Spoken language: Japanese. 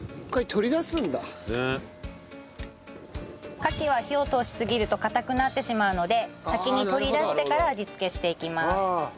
カキは火を通しすぎると硬くなってしまうので先に取り出してから味付けしていきます。